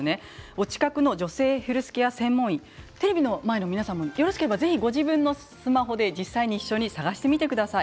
お近くの女性ヘルスケア専門医テレビの前の皆さんよろしければぜひご自分のスマホで実際に一緒に探してみてください。